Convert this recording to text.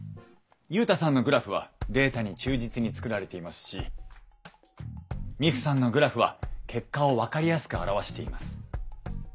ユウタさんのグラフはデータに忠実に作られていますしミクさんのグラフは結果を分かりやすく表しています。